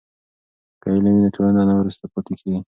که علم وي نو ټولنه نه وروسته پاتې کیږي.